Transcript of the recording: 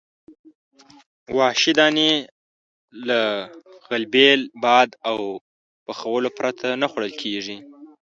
وحشي دانې له غلبیل، باد او پخولو پرته نه خوړل کېدې.